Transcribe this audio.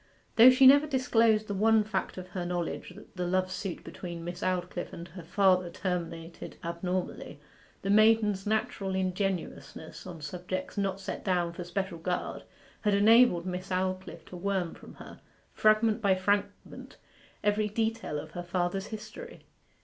Though she never disclosed the one fact of her knowledge that the love suit between Miss Aldclyffe and her father terminated abnormally, the maiden's natural ingenuousness on subjects not set down for special guard had enabled Miss Aldclyffe to worm from her, fragment by fragment, every detail of her father's history.